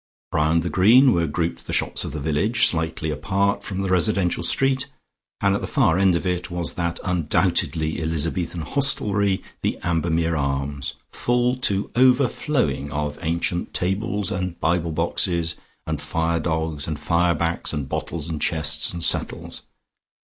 Round the green were grouped the shops of the village, slightly apart from the residential street, and at the far end of it was that undoubtedly Elizabethan hostelry, the Ambermere Arms, full to overflowing of ancient tables and bible boxes, and fire dogs and fire backs, and bottles and chests and settles.